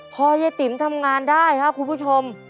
พอยายติ๋มทำงานได้ครับคุณผู้ชม